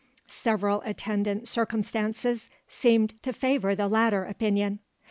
Several attendant circumstances seemed to favour the latter opinion.